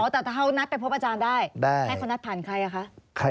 แต่ถ้าเขานัดไปพบอาจารย์ได้ให้เขานัดผ่านใครอะคะ